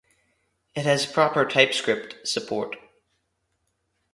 It has proper TypeScript support